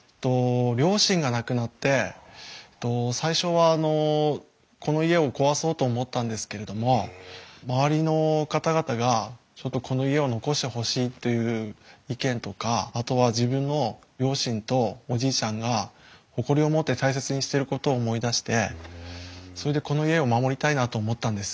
両親が亡くなって最初はあのこの家を壊そうと思ったんですけれども周りの方々がちょっとこの家を残してほしいという意見とかあとは自分の両親とおじいちゃんが誇りを持って大切にしてることを思い出してそれでこの家を守りたいなと思ったんです。